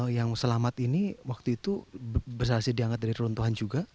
yang selamat ini waktu itu berhasil diangkat dari runtuhan juga